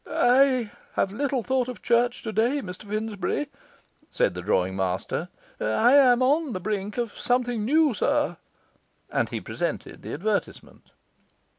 'I have little thought of church today, Mr Finsbury,' said the drawing master. 'I am on the brink of something new, Sir.' And he presented the advertisement.